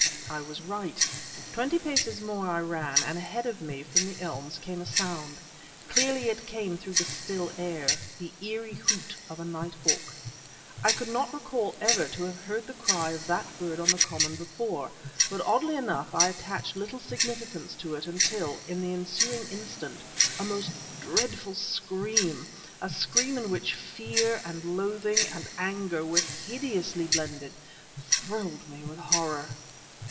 I was right. Twenty paces more I ran, and ahead of me, from the elms, came a sound. Clearly it came through the still air the eerie hoot of a nighthawk. I could not recall ever to have heard the cry of that bird on the common before, but oddly enough I attached little significance to it until, in the ensuing instant, a most dreadful scream a scream in which fear, and loathing, and anger were hideously blended thrilled me with horror.